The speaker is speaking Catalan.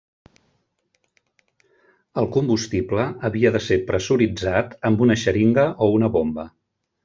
El combustible havia de ser pressuritzat amb una xeringa o una bomba.